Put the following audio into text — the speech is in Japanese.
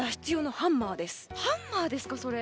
ハンマーですか？